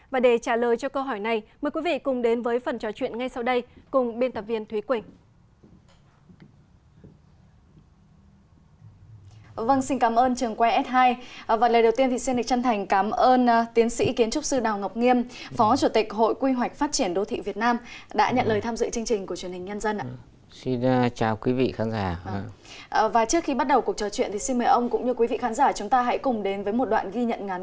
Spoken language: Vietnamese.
và để trả lời cho câu hỏi này mời quý vị cùng đến với phần trò chuyện ngay sau đây cùng biên tập viên thúy quỳnh